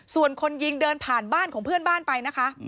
ส่วนคนยิงเดินผ่านบ้านของเพื่อนบ้านไปนะคะ